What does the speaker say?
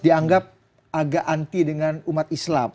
dianggap agak anti dengan umat islam